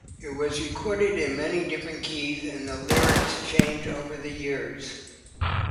It was recorded in many different keys and the lyrics changed over the years.